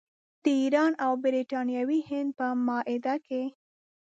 د ایران او برټانوي هند په معاهده کې.